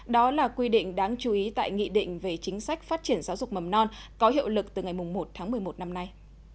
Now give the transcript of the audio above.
đó là quy định đáng chú ý tại nghị định về chính sách phát triển giáo dục mầm non có hiệu lực từ ngày một tháng một mươi một năm nay